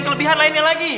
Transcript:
kelebihan lainnya lagi